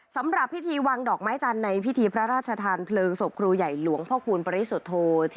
สำหรับพิธีวางดอกไม้จันในพิธีพระราชทานเผลองสมครูใหญ่หลวงพพปริศุโทษ